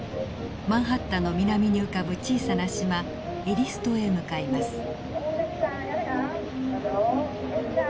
マンハッタンの南に浮かぶ小さな島エリス島へ向かいます。